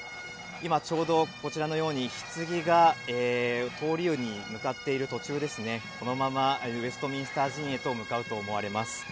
今ちょうど、こちらのように、ひつぎが通りに向かっている途中ですね、このままウェストミンスター寺院へと向かうと思われます。